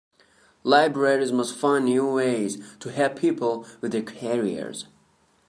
Libraries must find new ways to help people with their careers.